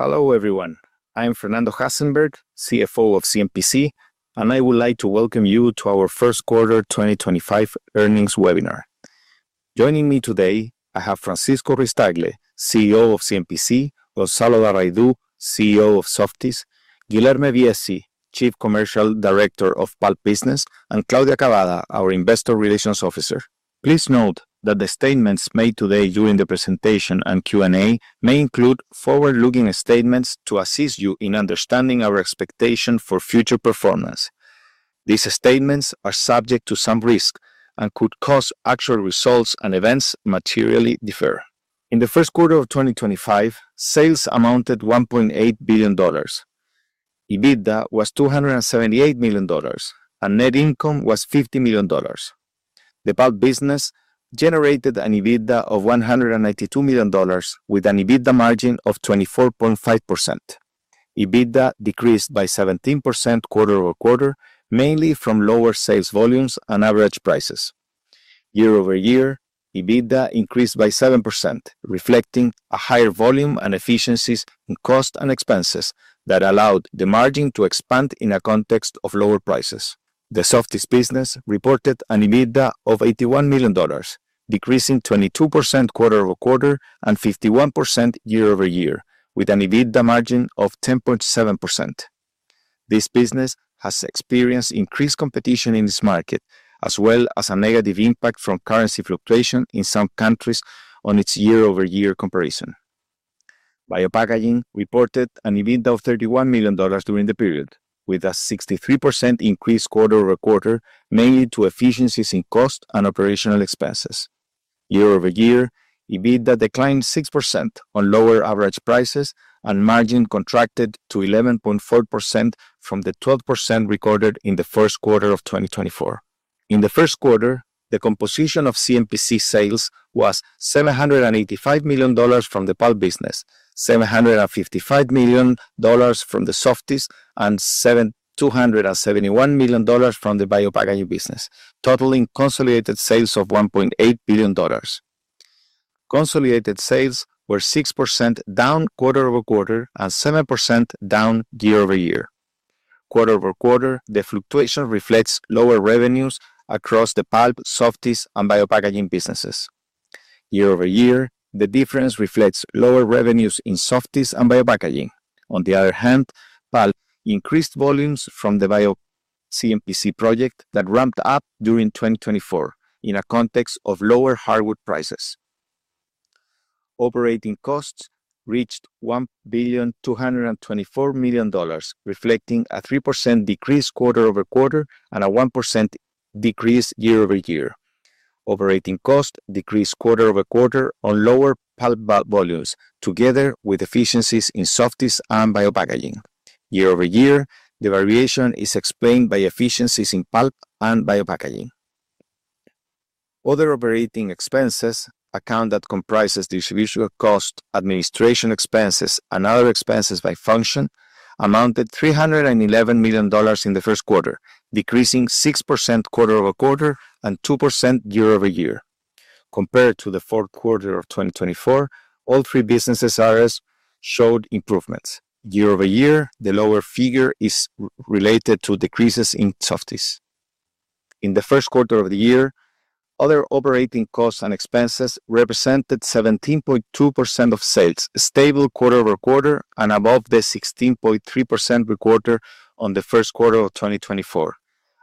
Hello everyone, I'm Fernando Hasenberg, CFO of CMPC, and I would like to welcome you to our First Quarter 2025 earnings webinar. Joining me today, I have Francisco Ruiz-Tagle, CEO of CMPC; Gonzalo Darraidou, CEO of Softis; Guilherme Viesi, Chief Commercial Director of Pulp Business; and Claudia Cavada, our Investor Relations Officer. Please note that the statements made today during the presentation and Q&A may include forward-looking statements to assist you in understanding our expectation for future performance. These statements are subject to some risk and could cause actual results and events to materially differ. In the first quarter of 2025, sales amounted to $1.8 billion, EBITDA was $278 million, and net income was $50 million. The Pulp Business generated an EBITDA of $192 million, with an EBITDA margin of 24.5%. EBITDA decreased by 17% quarter-over-quarter, mainly from lower sales volumes and average prices. Year-over-year, EBITDA increased by 7%, reflecting a higher volume and efficiencies in cost and expenses that allowed the margin to expand in a context of lower prices. The Softis business reported an EBITDA of $81 million, decreasing 22% quarter-over-quarter and 51% year-over-year, with an EBITDA margin of 10.7%. This business has experienced increased competition in this market, as well as a negative impact from currency fluctuation in some countries on its year-over-year comparison. Biopackaging reported an EBITDA of $31 million during the period, with a 63% increase quarter-over-quarter, mainly due to efficiencies in cost and operational expenses. Year -over- year, EBITDA declined 6% on lower average prices, and margin contracted to 11.4% from the 12% recorded in the first quarter of 2024. In the first quarter, the composition of CMPC sales was $785 million from the Pulp Business, $755 million from Softis, and $271 million from the biopackaging business, totaling consolidated sales of $1.8 billion. Consolidated sales were 6% down quarter-over-quarter and 7% down year- over -year. Quarter-over-quarter, the fluctuation reflects lower revenues across the Pulp, Softis, and biopackaging businesses. Year-over-year, the difference reflects lower revenues in Softis and biopackaging. On the other hand, Pulp increased volumes from the BioCMPC project that ramped up during 2024 in a context of lower hardwood prices. Operating costs reached $1,224 million, reflecting a 3% decrease quarter-over-quarter and a 1% decrease year-over-year. Operating costs decreased quarter-over-quarter on lower Pulp volumes, together with efficiencies in Softis and biopackaging. Year-over-year, the variation is explained by efficiencies in Pulp and biopackaging. Other operating expenses, account that comprises distribution costs, administration expenses, and other expenses by function, amounted to $311 million in the first quarter, decreasing 6% quarter-over-quarter and 2% year-over-year. Compared to the fourth quarter of 2024, all three businesses showed improvements. Year-over- year, the lower figure is related to decreases in Softis. In the first quarter of the year, other operating costs and expenses represented 17.2% of sales, stable quarter-over-quarter and above the 16.3% recorded in the first quarter of 2024.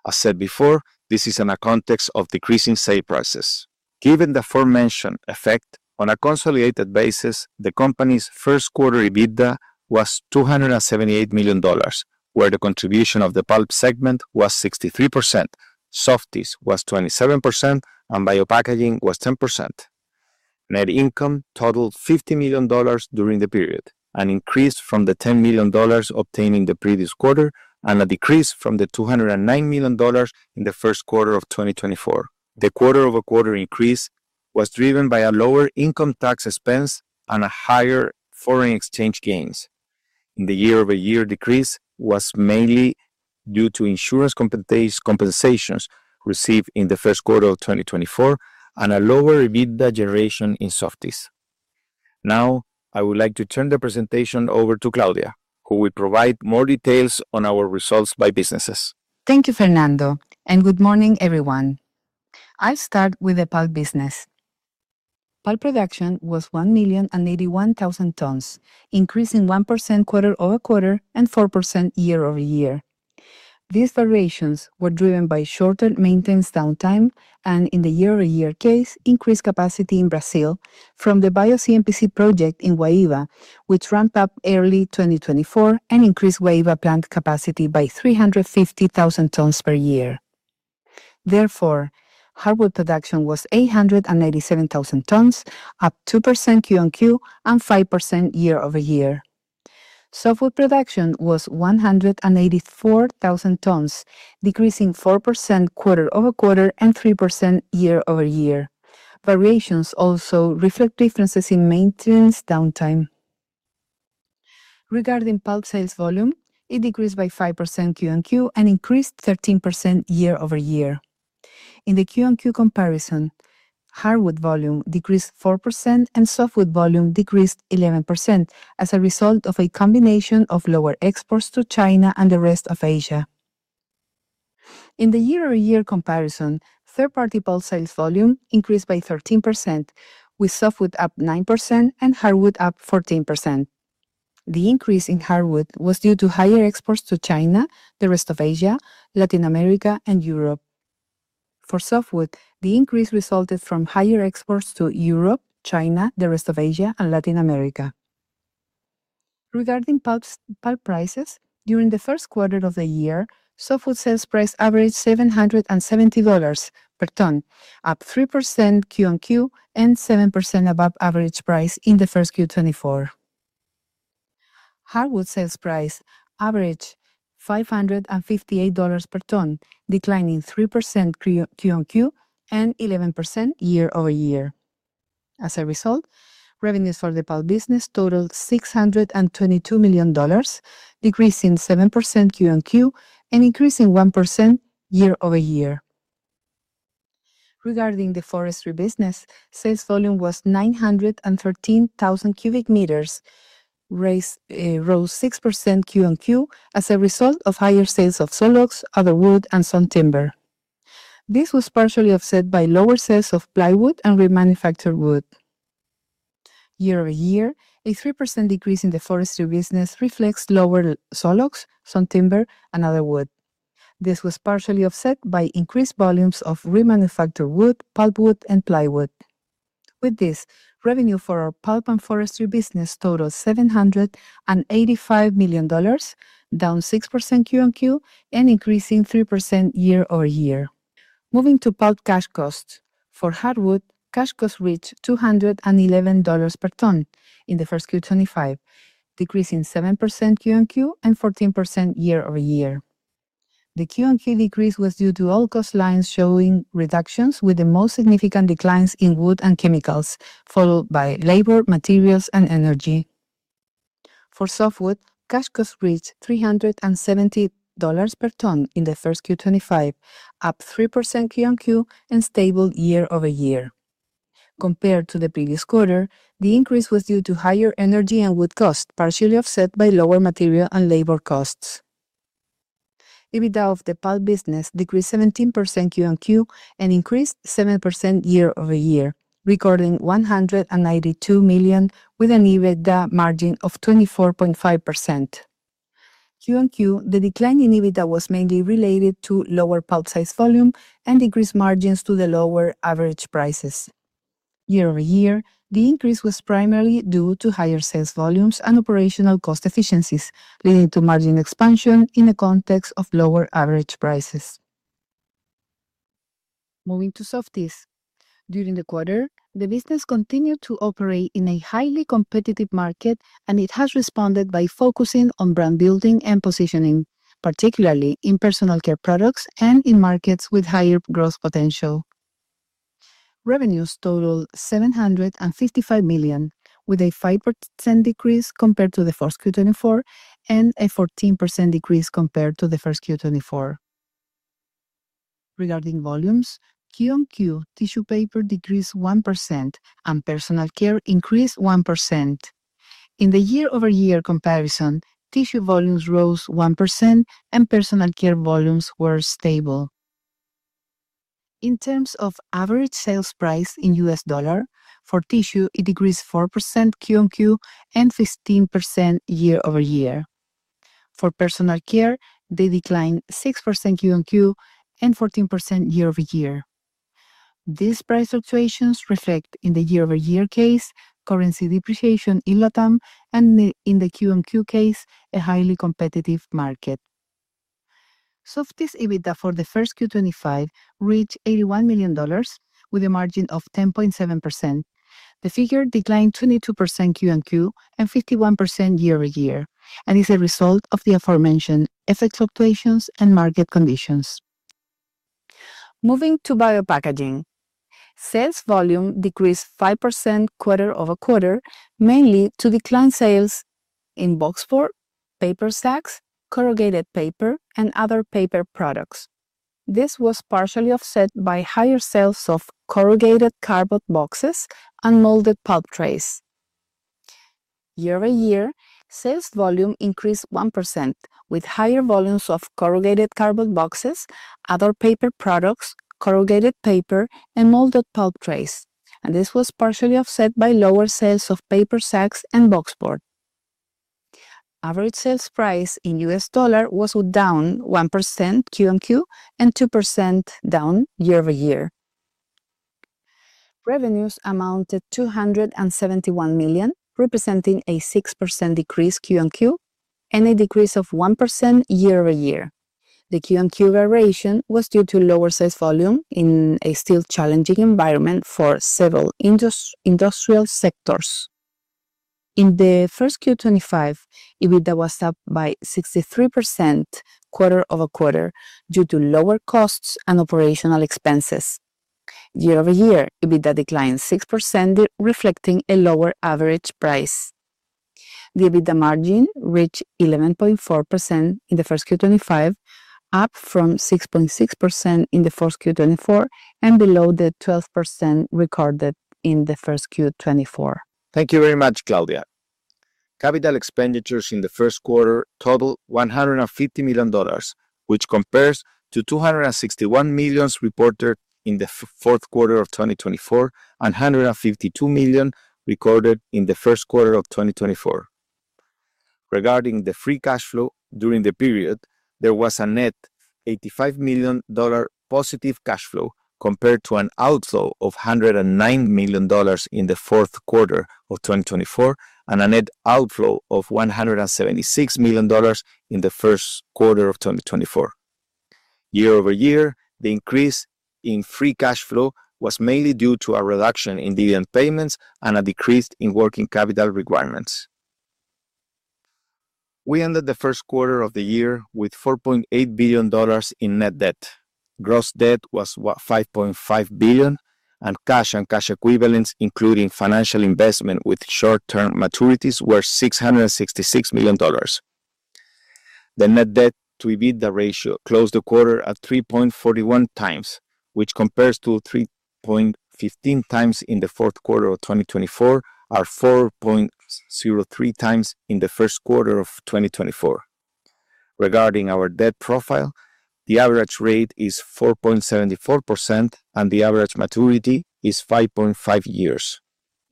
As said before, this is in a context of decreasing sale prices. Given the aforementioned effect, on a consolidated basis, the company's first quarter EBITDA was $278 million, where the contribution of the Pulp segment was 63%, Softis was 27%, and biopackaging was 10%. Net income totaled $50 million during the period, an increase from the $10 million obtained in the previous quarter and a decrease from the $209 million in the first quarter of 2024. The quarter-over-quarter increase was driven by a lower income tax expense and higher foreign exchange gains. The year-over-year decrease was mainly due to insurance compensations received in the first quarter of 2024 and lower EBITDA generation in Softis. Now, I would like to turn the presentation over to Claudia, who will provide more details on our results by businesses. Thank you, Fernando, and good morning, everyone. I'll start with the pulp business. Pulp production was 1,081,000 tons, increasing 1% quarter-over-quarter and 4% year-over-year. These variations were driven by shorter maintenance downtime and, in the year-over-year case, increased capacity in Brazil from the BioCMPC project in Guaíba, which ramped up early 2024 and increased Guaíba plant capacity by 350,000 tons per year. Therefore, hardwood production was 887,000 tons, up 2% Q on Q and 5% year-over-year. Softwood production was 184,000 tons, decreasing 4% quarter-over-quarter and 3% year- over-year. Variations also reflect differences in maintenance downtime. Regarding pulp sales volume, it decreased by 5% Q on Q and increased 13% year- over- year. In the Q on Q comparison, hardwood volume decreased 4% and softwood volume decreased 11% as a result of a combination of lower exports to China and the rest of Asia. In the year-over-year comparison, third-party pulp sales volume increased by 13%, with softwood up 9% and hardwood up 14%. The increase in hardwood was due to higher exports to China, the rest of Asia, Latin America, and Europe. For softwood, the increase resulted from higher exports to Europe, China, the rest of Asia, and Latin America. Regarding pulp prices, during the first quarter of the year, softwood sales price averaged $770 per ton, up 3% Q on Q and 7% above average price in the first quarter 2024. Hardwood sales price averaged $558 per ton, declining 3% Q on Q and 11% year-over- year. As a result, revenues for the Pulp business totaled $622 million, decreasing 7% Q on Q and increasing 1% year- over-year. Regarding the forestry business, sales volume was 913,000 cubic meters, rose 6% Q on Q as a result of higher sales of sawlogs, other wood, and sawn timber. This was partially offset by lower sales of plywood and remanufactured wood. Year-over-year, a 3% decrease in the forestry business reflects lower sawlogs, sawn timber, and other wood. This was partially offset by increased volumes of remanufactured wood, pulp wood, and plywood. With this, revenue for our Pulp and forestry business totaled $785 million, down 6% Q on Q and increasing 3% year-over-year. Moving to Pulp cash costs. For hardwood, cash costs reached $211 per ton in the first quarter 2025, decreasing 7% Q on Q and 14% year-over-year. The Q on Q decrease was due to all cost lines showing reductions, with the most significant declines in wood and chemicals, followed by labor, materials, and energy. For softwood, cash costs reached $370 per ton in the first Q 2025, up 3% Q on Q and stable year-over-year. Compared to the previous quarter, the increase was due to higher energy and wood costs, partially offset by lower material and labor costs. EBITDA of the Pulp business decreased 17% Q on Q and increased 7% year-over-year, recording $192 million, with an EBITDA margin of 24.5%. Q on Q, the decline in EBITDA was mainly related to lower Pulp sales volume and decreased margins due to the lower average prices. Year-over-year, the increase was primarily due to higher sales volumes and operational cost efficiencies, leading to margin expansion in the context of lower average prices. Moving to Softis. During the quarter, the business continued to operate in a highly competitive market, and it has responded by focusing on brand building and positioning, particularly in personal care products and in markets with higher growth potential. Revenues totaled $755 million, with a 5% decrease compared to the first quarter 2024 and a 14% decrease compared to the first quarter 2023. Regarding volumes, Q on Q, tissue paper decreased 1% and personal care increased 1%. In the year-over-year comparison, tissue volumes rose 1% and personal care volumes were stable. In terms of average sales price in US dollars, for tissue, it decreased 4% Q on Q and 15% year-over-year. For personal care, they declined 6% Q on Q and 14% year-over-year. These price fluctuations reflect in the year-over-year case, currency depreciation in Latin America, and in the Q on Q case, a highly competitive market. Softis EBITDA for the first Q25 reached $81 million, with a margin of 10.7%. The figure declined 22% Q on Q and 51% year-over-year, and is a result of the aforementioned effect fluctuations and market conditions. Moving to biopackaging. Sales volume decreased 5% quarter-over-quarter, mainly due to declined sales in box for paper sacks, corrugated paper, and other paper products. This was partially offset by higher sales of corrugated cardboard boxes and molded pulp trays. Year-over-year, sales volume increased 1%, with higher volumes of corrugated cardboard boxes, other paper products, corrugated paper, and molded pulp trays, and this was partially offset by lower sales of paper sacks and box board. Average sales price in US dollar was down 1% Q on Q and 2% down year-over-year. Revenues amounted to $271 million, representing a 6% decrease Q on Q and a decrease of 1% year-over-year. The Q on Q variation was due to lower sales volume in a still challenging environment for several industrial sectors. In the first Q25, EBITDA was up by 63% quarter-over-quarter due to lower costs and operational expenses. Year-over-year, EBITDA declined 6%, reflecting a lower average price. The EBITDA margin reached 11.4% in the first Q25, up from 6.6% in the fourth Q24 and below the 12% recorded in the first Q24. Thank you very much, Claudia. Capital Expenditures in the first quarter totaled $150 million, which compares to $261 million reported in the fourth quarter of 2024 and $152 million recorded in the first quarter of 2024. Regarding the free cash flow during the period, there was a net $85 million positive cash flow compared to an outflow of $109 million in the fourth quarter of 2024 and a net outflow of $176 million in the first quarter of 2024. Year-over-year, the increase in free cash flow was mainly due to a reduction in dividend payments and a decrease in working capital requirements. We ended the first quarter of the year with $4.8 billion in net debt. Gross debt was $5.5 billion, and cash and cash equivalents, including financial investment with short-term maturities, were $666 million. The net debt to EBITDA ratio closed the quarter at 3.41 times, which compares to 3.15 times in the fourth quarter of 2024, or 4.03 times in the first quarter of 2024. Regarding our debt profile, the average rate is 4.74%, and the average maturity is 5.5 years.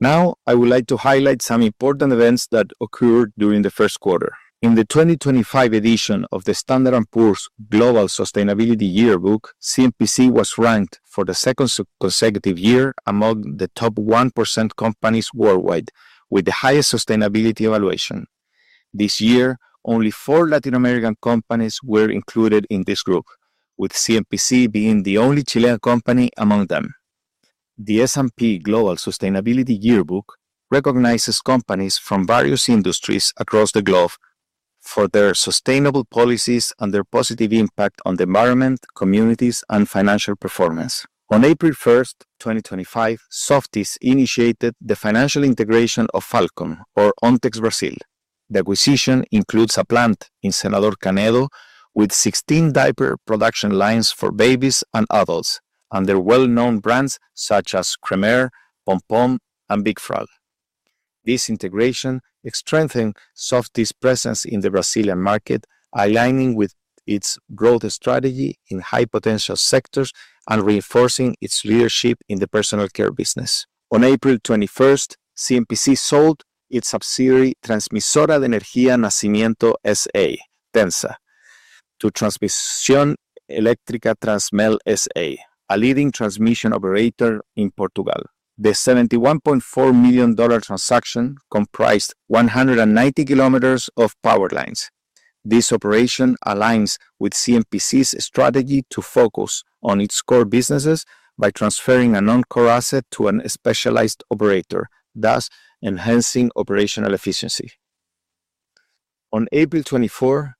Now, I would like to highlight some important events that occurred during the first quarter. In the 2025 edition of the Standard & Poor's Global Sustainability Yearbook, CMPC was ranked for the second consecutive year among the top 1% companies worldwide, with the highest sustainability evaluation. This year, only four Latin American companies were included in this group, with CMPC being the only Chilean company among them. The S&P Global Sustainability Yearbook recognizes companies from various industries across the globe for their sustainable policies and their positive impact on the environment, communities, and financial performance. On April 1, 2025, Softis initiated the financial integration of Falcon, or ONTEX Brazil. The acquisition includes a plant in Senador Canedo, with 16 diaper production lines for babies and adults, and their well-known brands such as Cremer, Pom Pom, and Bigfrö. This integration strengthened Softis' presence in the Brazilian market, aligning with its growth strategy in high-potential sectors and reinforcing its leadership in the personal care business. On April 21, CMPC sold its subsidiary Transmissora de Energia Nascimento S.A., Tensa, to Transmissão Elétrica Transmel S.A., a leading transmission operator in Portugal. The $71.4 million transaction comprised 190 km of power lines. This operation aligns with CMPC's strategy to focus on its core businesses by transferring a non-core asset to a specialized operator, thus enhancing operational efficiency. On April 24,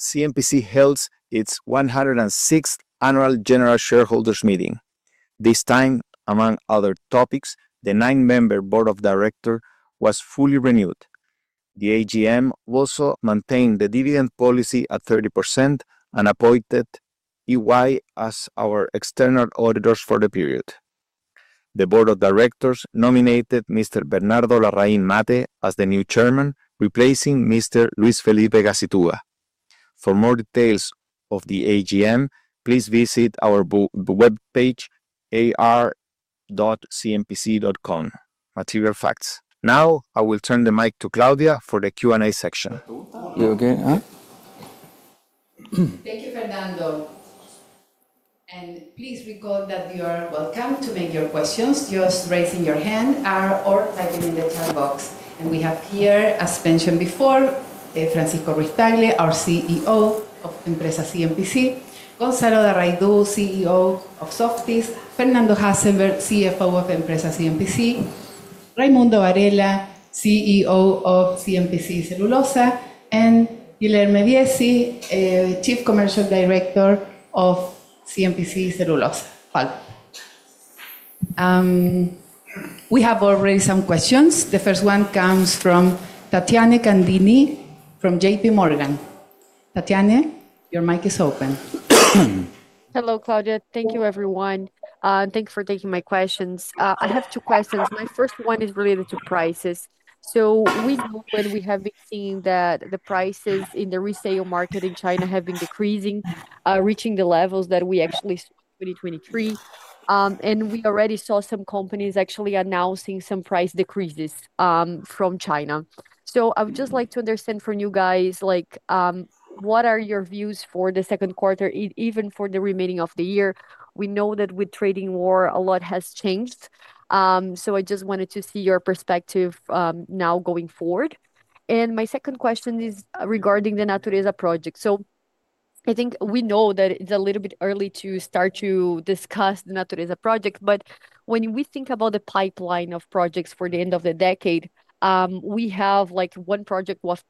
CMPC held its 106th Annual General Shareholders' Meeting. This time, among other topics, the nine-member board of directors was fully renewed. The AGM also maintained the dividend policy at 30% and appointed EY as our external auditors for the period. The board of directors nominated Mr. Bernardo Larrain Mate as the new chairman, replacing Mr. Luis Felipe Gacitua. For more details of the AGM, please visit our webpage, ar.cmpc.com, material facts. Now, I will turn the mic to Claudia for the Q&A section. You okay? Thank you, Fernando. Please recall that you are welcome to make your questions, just raising your hand or typing in the chat box. We have here, as mentioned before, Francisco Ruiz-Tagle, our CEO of Empresas CMPC; Gonzalo Darraidou, CEO of Softis; Fernando Hasenberg, CFO of Empresas CMPC; Raimundo Varela, CEO of CMPC Celulosa; and Guilherme Viesi, Chief Commercial Director of CMPC Pulp Business. We have already some questions. The first one comes from Tatiana Candini from J.P. Morgan. Tatiana, your mic is open. Hello, Claudia. Thank you, everyone. Thanks for taking my questions. I have two questions. My first one is related to prices. We know we have been seeing that the prices in the resale market in China have been decreasing, reaching the levels that we actually saw in 2023. We already saw some companies actually announcing some price decreases from China. I would just like to understand from you guys, what are your views for the second quarter, even for the remaining of the year? We know that with trading war, a lot has changed. I just wanted to see your perspective now going forward. My second question is regarding the Natureza project. I think we know that it's a little bit early to start to discuss the Natureza project, but when we think about the pipeline of projects for the end of the decade, we have one project of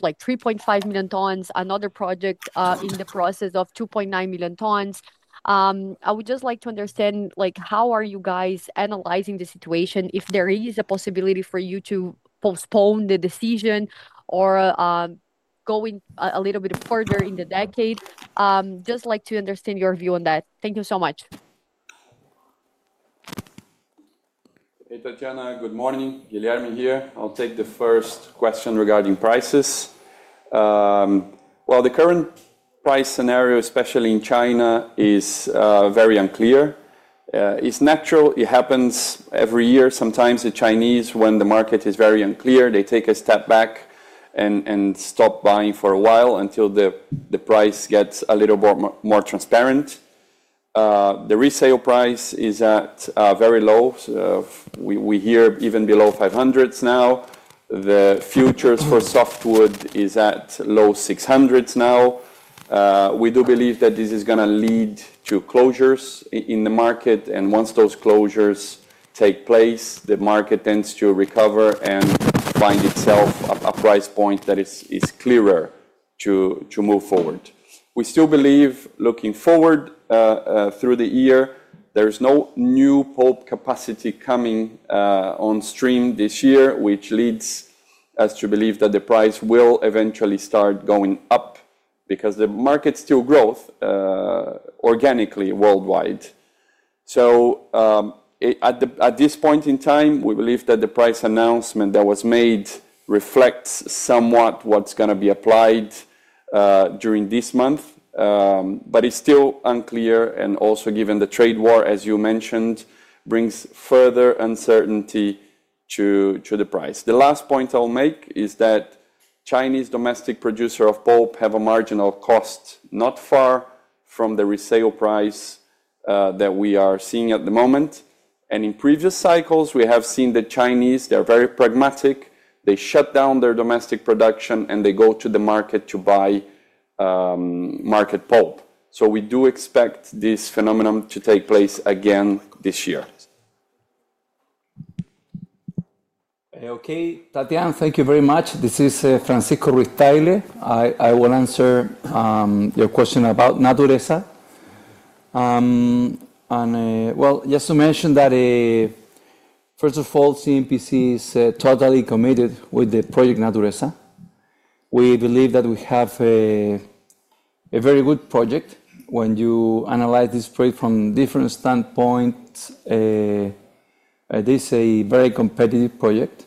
3.5 million tons, another project in the process of 2.9 million tons. I would just like to understand how are you guys analyzing the situation if there is a possibility for you to postpone the decision or go a little bit further in the decade. Just like to understand your view on that. Thank you so much. Hey, Tatiana. Good morning. Guilherme here. I'll take the first question regarding prices. The current price scenario, especially in China, is very unclear. It's natural. It happens every year. Sometimes the Chinese, when the market is very unclear, they take a step back and stop buying for a while until the price gets a little more transparent. The resale price is at very low. We hear even below $500 now. The futures for softwood is at low $600 now. We do believe that this is going to lead to closures in the market. Once those closures take place, the market tends to recover and find itself a price point that is clearer to move forward. We still believe, looking forward through the year, there is no new pulp capacity coming on stream this year, which leads us to believe that the price will eventually start going up because the market still grows organically worldwide. At this point in time, we believe that the price announcement that was made reflects somewhat what is going to be applied during this month, but it is still unclear. Also, given the trade war, as you mentioned, brings further uncertainty to the price. The last point I will make is that Chinese domestic producers of pulp have a marginal cost not far from the resale price that we are seeing at the moment. In previous cycles, we have seen the Chinese, they are very pragmatic, they shut down their domestic production, and they go to the market to buy market pulp. We do expect this phenomenon to take place again this year. Okay, Tatiana, thank you very much. This is Francisco Ruiz-Tagle. I will answer your question about Natureza. Just to mention that, first of all, CMPC is totally committed with the project Natureza. We believe that we have a very good project. When you analyze this project from different standpoints, this is a very competitive project.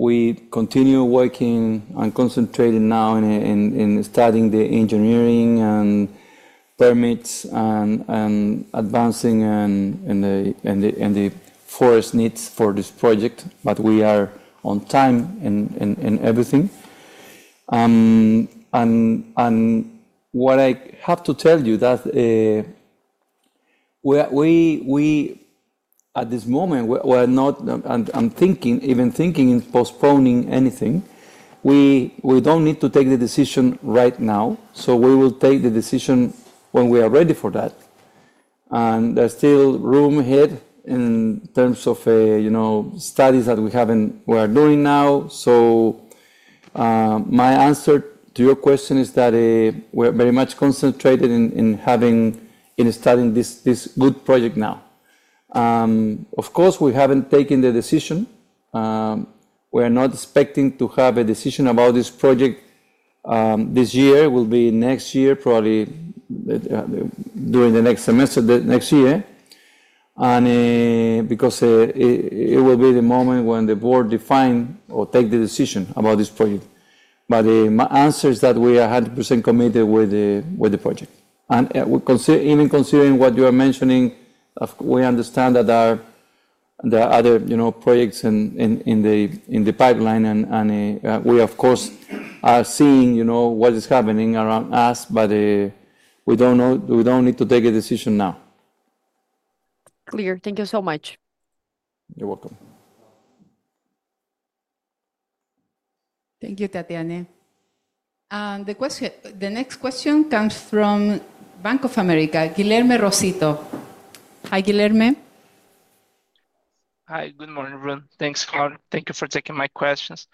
We continue working and concentrating now in studying the engineering and permits and advancing and the forest needs for this project, but we are on time and everything. What I have to tell you is that we, at this moment, we are not, I'm thinking, even thinking in postponing anything. We do not need to take the decision right now. We will take the decision when we are ready for that. There is still room ahead in terms of studies that we are doing now. My answer to your question is that we are very much concentrated in studying this good project now. Of course, we have not taken the decision. We are not expecting to have a decision about this project this year. It will be next year, probably during the next semester, next year, because it will be the moment when the board defines or takes the decision about this project. My answer is that we are 100% committed with the project. Even considering what you are mentioning, we understand that there are other projects in the pipeline. We, of course, are seeing what is happening around us, but we do not need to take a decision now. Clear. Thank you so much. You're welcome. Thank you, Tatiana. The next question comes from Bank of America, Guilherme Rosito. Hi, Guilherme. Hi. Good morning, everyone. Thanks, Claudia. Thank you for taking my questions.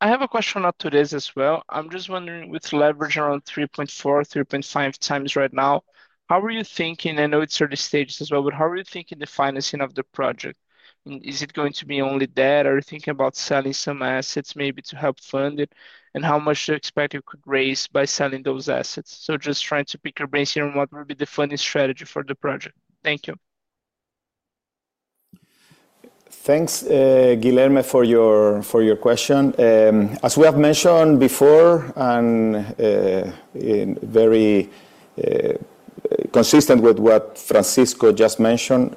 I have a question on today's as well. I'm just wondering, with leverage around 3.4-3.5 times right now, how are you thinking? I know it's early stages as well, but how are you thinking the financing of the project? Is it going to be only debt? Are you thinking about selling some assets maybe to help fund it? And how much do you expect you could raise by selling those assets? Just trying to pick your brains here on what would be the funding strategy for the project. Thank you. Thanks, Guilherme, for your question. As we have mentioned before and very consistent with what Francisco just mentioned,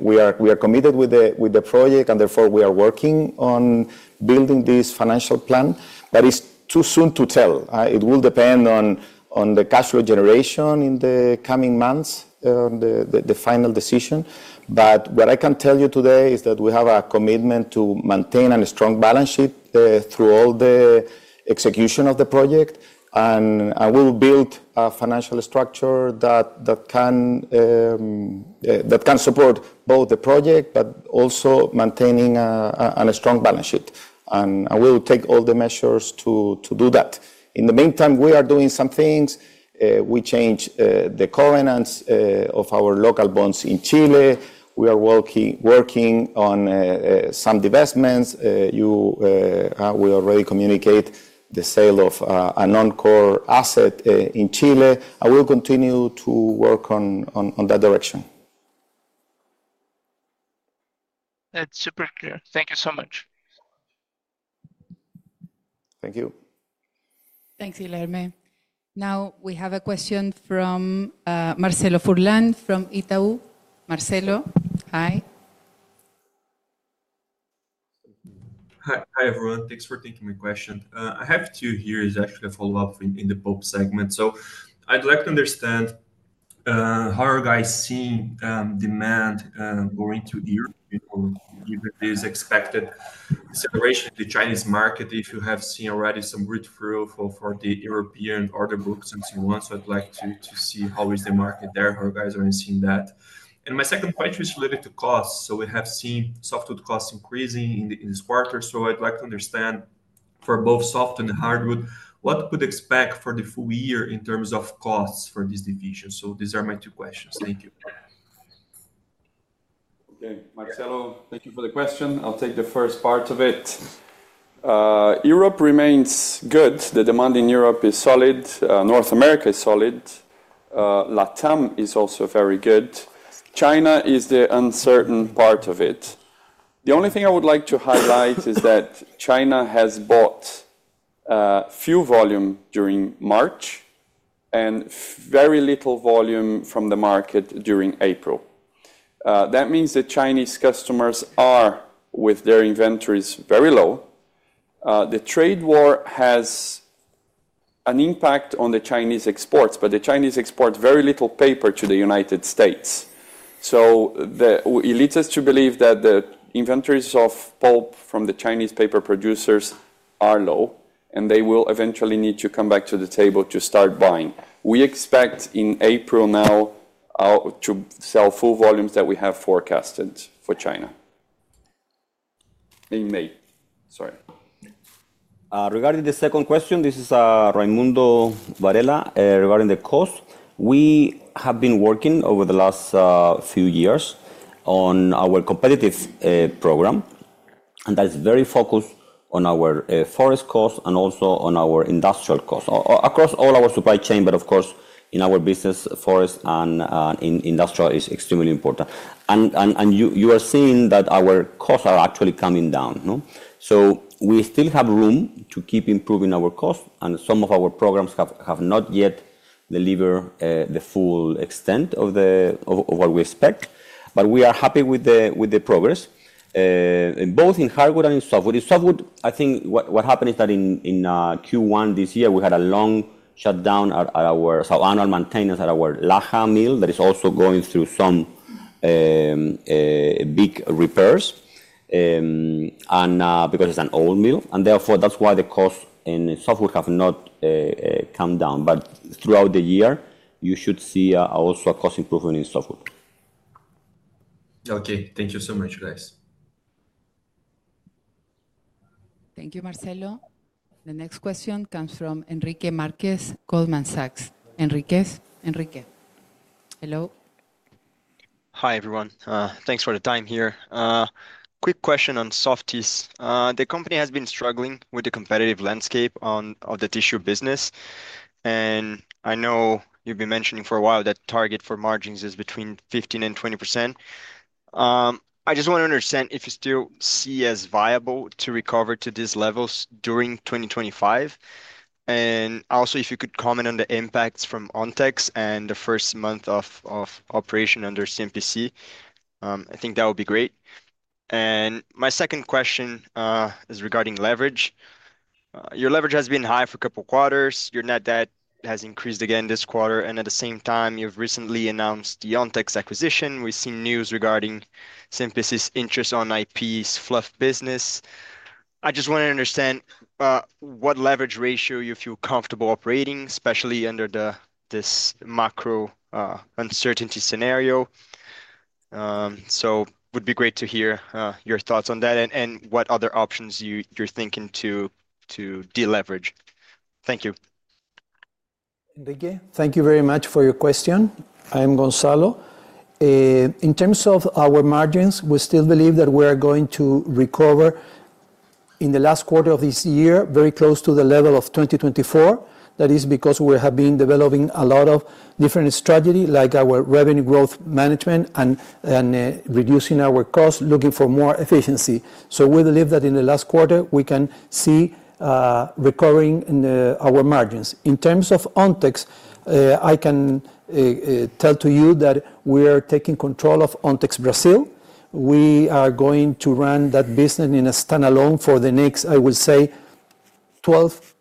we are committed with the project, and therefore, we are working on building this financial plan. It's too soon to tell. It will depend on the cash flow generation in the coming months, the final decision. What I can tell you today is that we have a commitment to maintain a strong balance sheet through all the execution of the project. We will build a financial structure that can support both the project, but also maintaining a strong balance sheet. We will take all the measures to do that. In the meantime, we are doing some things. We changed the covenants of our local bonds in Chile. We are working on some divestments. We already communicated the sale of a non-core asset in Chile. I will continue to work in that direction. That's super clear. Thank you so much. Thank you. Thanks, Guilherme. Now, we have a question from Marcelo Furlan from Itaú. Marcelo, hi. Hi, everyone. Thanks for taking my question. I have two. Here is actually a follow-up in the pulp segment. I'd like to understand how are you guys seeing demand going to Europe given this expected acceleration of the Chinese market, if you have seen already some route for the European order books and so on. I'd like to see how is the market there, how are you guys already seeing that? My second question is related to costs. We have seen softwood costs increasing in this quarter. I'd like to understand for both soft and hardwood, what could we expect for the full year in terms of costs for this division? These are my two questions. Thank you. Okay. Marcelo, thank you for the question. I'll take the first part of it. Europe remains good. The demand in Europe is solid. North America is solid. Latam is also very good. China is the uncertain part of it. The only thing I would like to highlight is that China has bought few volume during March and very little volume from the market during April. That means the Chinese customers are with their inventories very low. The trade war has an impact on the Chinese exports, but the Chinese exports very little paper to the United States. It leads us to believe that the inventories of pulp from the Chinese paper producers are low, and they will eventually need to come back to the table to start buying. We expect in April now to sell full volumes that we have forecasted for China in May. Sorry. Regarding the second question, this is Raimundo Varela regarding the cost. We have been working over the last few years on our competitive program, and that is very focused on our forest costs and also on our industrial costs across all our supply chain. Of course, in our business, forest and industrial is extremely important. You are seeing that our costs are actually coming down. We still have room to keep improving our costs, and some of our programs have not yet delivered the full extent of what we expect. We are happy with the progress, both in hardwood and in softwood. In softwood, I think what happened is that in Q1 this year, we had a long shutdown at our annual maintenance at our Laja mill that is also going through some big repairs because it is an old mill. Therefore, that is why the costs in softwood have not come down. But throughout the year, you should see also a cost improvement in softwood. Okay. Thank you so much, guys. Thank you, Marcelo. The next question comes from Enrique Marquez, Goldman Sachs. Enriquez? Enrique. Hello? Hi, everyone. Thanks for the time here. Quick question on Softis. The company has been struggling with the competitive landscape of the tissue business. I know you've been mentioning for a while that target for margins is between 15%-20%. I just want to understand if you still see as viable to recover to these levels during 2025. Also, if you could comment on the impacts from ONTEX and the first month of operation under CMPC, I think that would be great. My second question is regarding leverage. Your leverage has been high for a couple of quarters. Your net debt has increased again this quarter. At the same time, you've recently announced the ONTEX acquisition. We've seen news regarding CMPC's interest on IP's fluff business. I just want to understand what leverage ratio you feel comfortable operating, especially under this macro uncertainty scenario. It would be great to hear your thoughts on that and what other options you're thinking to deleverage. Thank you. Enrique, thank you very much for your question. I am Gonzalo. In terms of our margins, we still believe that we are going to recover in the last quarter of this year very close to the level of 2024. That is because we have been developing a lot of different strategies like our revenue growth management and reducing our costs, looking for more efficiency. We believe that in the last quarter, we can see recovering our margins. In terms of ONTEX, I can tell to you that we are taking control of ONTEX Brazil. We are going to run that business in a standalone for the next, I would say, 12-18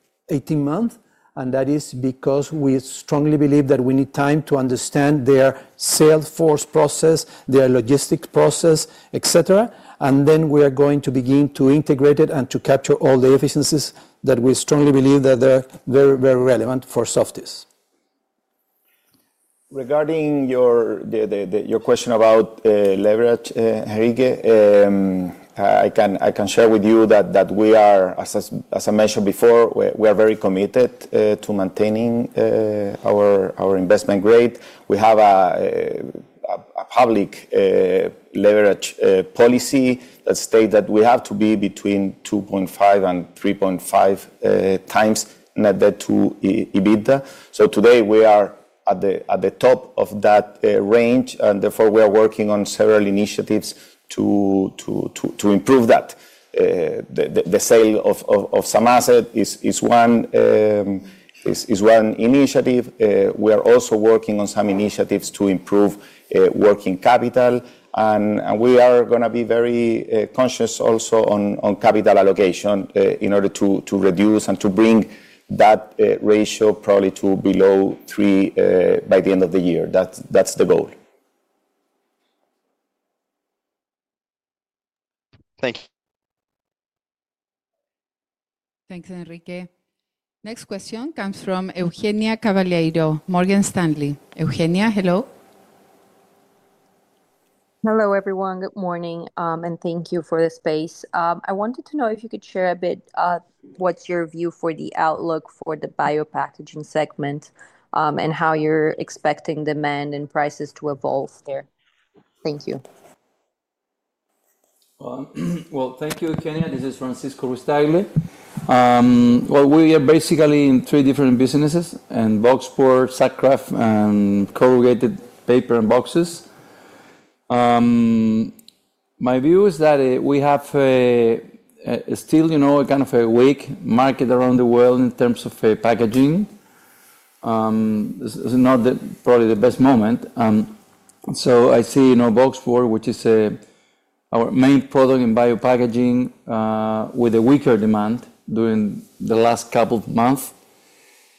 months. That is because we strongly believe that we need time to understand their sales force process, their logistics process, etc. We are going to begin to integrate it and to capture all the efficiencies that we strongly believe that they're very, very relevant for Softis. Regarding your question about leverage, Enrique, I can share with you that we are, as I mentioned before, we are very committed to maintaining our investment grade. We have a public leverage policy that states that we have to be between 2.5-3.5 times net debt to EBITDA. Today, we are at the top of that range. Therefore, we are working on several initiatives to improve that. The sale of some assets is one initiative. We are also working on some initiatives to improve working capital. We are going to be very conscious also on capital allocation in order to reduce and to bring that ratio probably to below three by the end of the year. That is the goal. Thank you. Thanks, Enrique. Next question comes from Eugenia Cavaleiro, Morgan Stanley. Eugenia, hello. Hello, everyone. Good morning. Thank you for the space. I wanted to know if you could share a bit what is your view for the outlook for the biopackaging segment and how you are expecting demand and prices to evolve there. Thank you. Thank you, Eugenia. This is Francisco Ruiz-Tagle. We are basically in three different businesses: box board, paper sacks, and corrugated paper and boxes. My view is that we have still kind of a weak market around the world in terms of packaging. This is not probably the best moment. I see box board, which is our main product in biopackaging, with a weaker demand during the last couple of months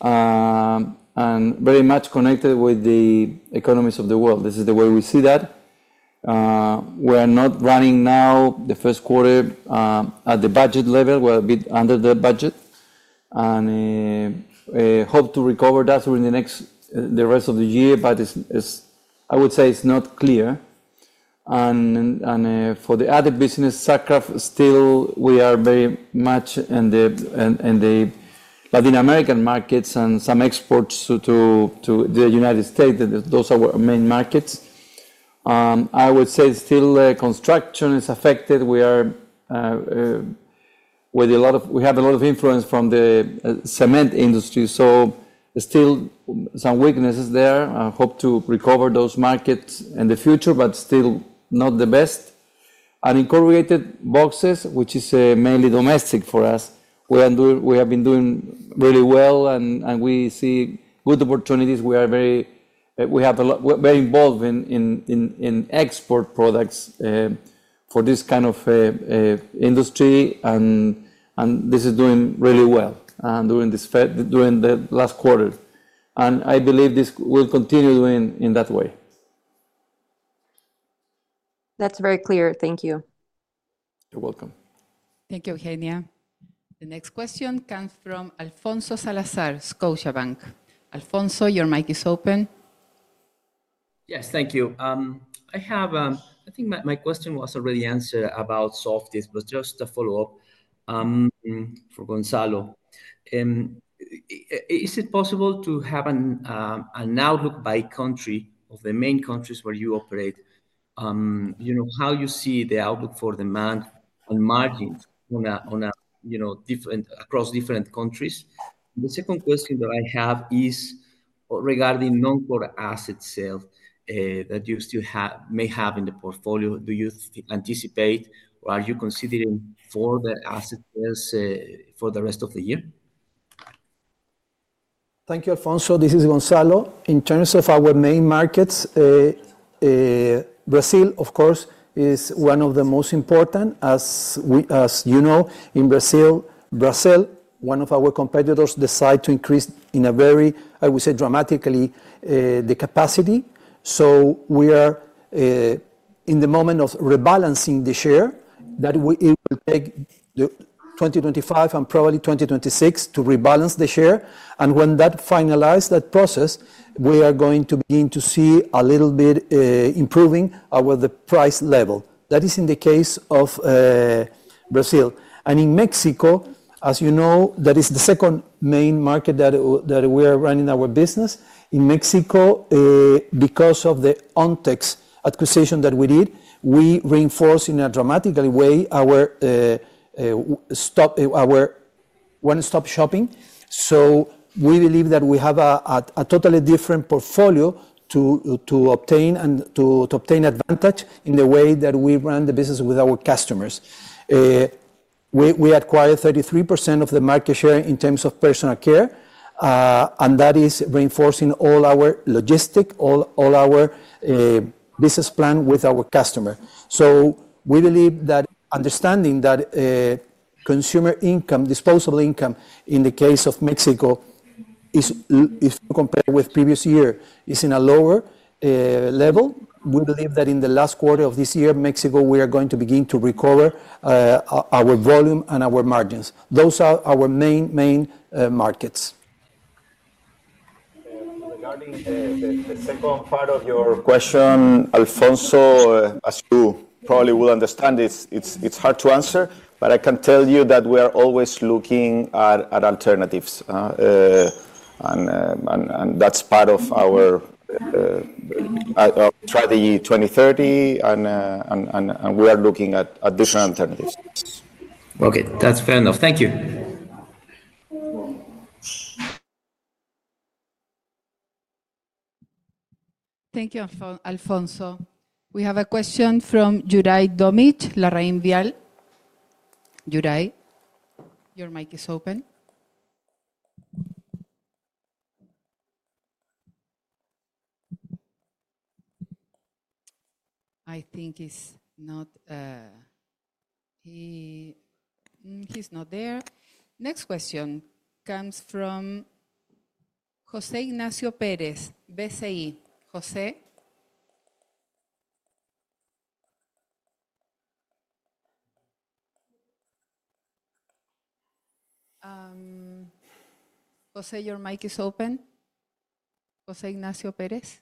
and very much connected with the economies of the world. This is the way we see that. We are not running now the first quarter at the budget level. We are a bit under the budget. I hope to recover that during the rest of the year, but I would say it is not clear. For the other business, SAGCAF, still, we are very much in the Latin American markets and some exports to the United States. Those are our main markets. I would say still construction is affected. We have a lot of influence from the cement industry. Still some weaknesses there. I hope to recover those markets in the future, but still not the best. In corrugated boxes, which is mainly domestic for us, we have been doing really well, and we see good opportunities. We have been involved in export products for this kind of industry, and this is doing really well during the last quarter. I believe this will continue in that way. That is very clear. Thank you. You are welcome. Thank you, Eugenia. The next question comes from Alfonso Salazar, Scotiabank. Alfonso, your mic is open. Yes, thank you. I think my question was already answered about Softis, but just a follow-up for Gonzalo. Is it possible to have an outlook by country of the main countries where you operate? How do you see the outlook for demand and margins across different countries? The second question that I have is regarding non-core asset sales that you still may have in the portfolio. Do you anticipate or are you considering further asset sales for the rest of the year? Thank you, Alfonso. This is Gonzalo. In terms of our main markets, Brazil, of course, is one of the most important. As you know, in Brazil, one of our competitors decided to increase in a very, I would say, dramatically the capacity. We are in the moment of rebalancing the share that it will take 2025 and probably 2026 to rebalance the share. When that finalizes that process, we are going to begin to see a little bit improving our price level. That is in the case of Brazil. In Mexico, as you know, that is the second main market that we are running our business. In Mexico, because of the ONTEX acquisition that we did, we reinforced in a dramatic way our one-stop shopping. We believe that we have a totally different portfolio to obtain and to obtain advantage in the way that we run the business with our customers. We acquired 33% of the market share in terms of personal care. That is reinforcing all our logistics, all our business plan with our customers. We believe that understanding that consumer income, disposable income in the case of Mexico, compared with the previous year, is in a lower level. We believe that in the last quarter of this year, Mexico, we are going to begin to recover our volume and our margins. Those are our main markets. Regarding the second part of your question, Alfonso, as you probably would understand, it's hard to answer, but I can tell you that we are always looking at alternatives. That's part of our strategy 2030, and we are looking at different alternatives. Okay. That's fair enough. Thank you. Thank you, Alfonso. We have a question from Jurai Domich, LarrainVial. Jurai, your mic is open. I think he's not there. Next question comes from José Ignacio Pérez, BCI. José. José, your mic is open. José Ignacio Pérez.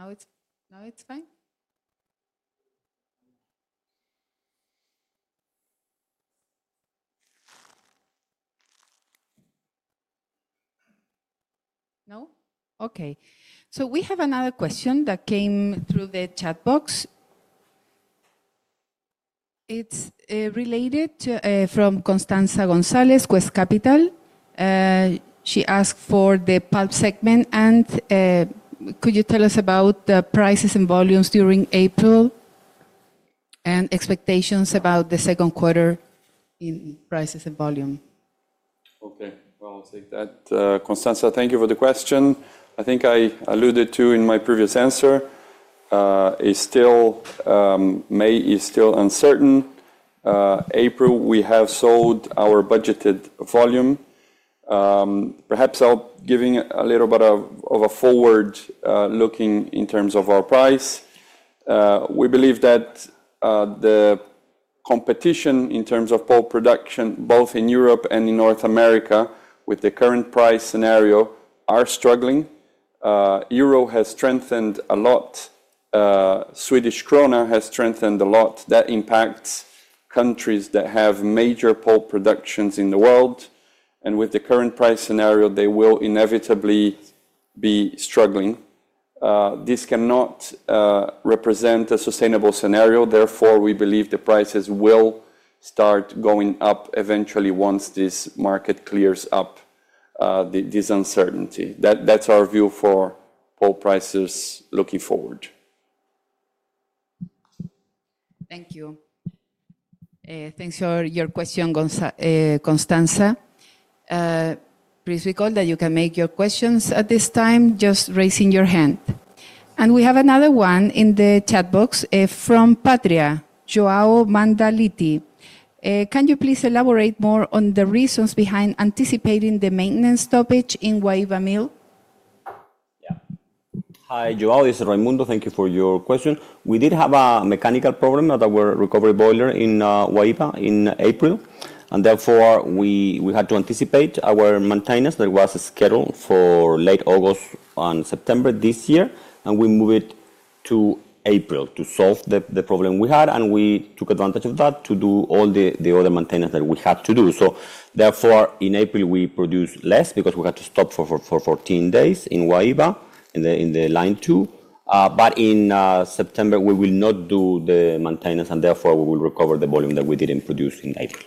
Now it's fine. No? Okay. We have another question that came through the chat box. It's related from Constanza Gonzalez, Quest Capital. She asked for the pulp segment. Could you tell us about the prices and volumes during April and expectations about the second quarter in prices and volume? Okay. I will take that. Constanza, thank you for the question. I think I alluded to in my previous answer, May is still uncertain. April, we have sold our budgeted volume. Perhaps I'll give you a little bit of a forward looking in terms of our price. We believe that the competition in terms of pulp production, both in Europe and in North America, with the current price scenario, are struggling. Euro has strengthened a lot. Swedish krona has strengthened a lot. That impacts countries that have major pulp productions in the world. With the current price scenario, they will inevitably be struggling. This cannot represent a sustainable scenario. Therefore, we believe the prices will start going up eventually once this market clears up this uncertainty. That's our view for pulp prices looking forward. Thank you. Thanks for your question, Constanza. Please recall that you can make your questions at this time, just raising your hand. We have another one in the chat box from Patria, João Mandalite. Can you please elaborate more on the reasons behind anticipating the maintenance stoppage in Guaíba Mill? Yeah. Hi, João. This is Raimundo. Thank you for your question. We did have a mechanical problem at our recovery boiler in Guaíba in April. Therefore, we had to anticipate our maintenance that was scheduled for late August and September this year. We moved it to April to solve the problem we had. We took advantage of that to do all the other maintenance that we had to do. Therefore, in April, we produced less because we had to stop for 14 days in Guaíba in the line two. In September, we will not do the maintenance. Therefore, we will recover the volume that we did not produce in April.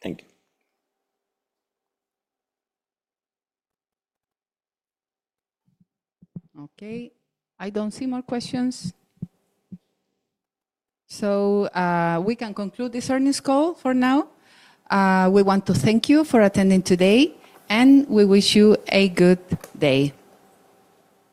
Thank you. Okay. I don't see more questions. We can conclude this earnings call for now. We want to thank you for attending today, and we wish you a good day.